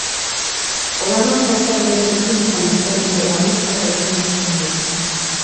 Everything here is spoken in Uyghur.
ئۇلارنىڭ تەسەۋۋۇرىدىكى مۇھەببەت بىلەن رېئاللىق بىر-بىرىگە ماس كەلمەيدۇ.